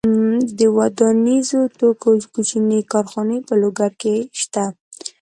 د ودانیزو توکو کوچنۍ کارخونې په لوګر کې شته.